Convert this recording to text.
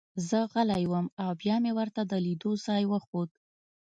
زه غلی وم او بیا مې ورته د لیدو ځای وښود